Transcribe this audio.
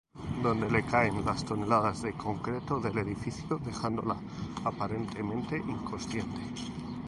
Donde le caen las toneladas de concreto del edificio dejándola aparentemente inconsciente.